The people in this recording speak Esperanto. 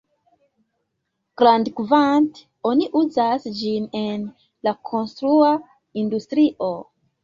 Grandkvante, oni uzas ĝin en la konstrua industrio.